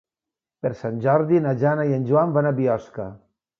Per Sant Jordi na Jana i en Joan van a Biosca.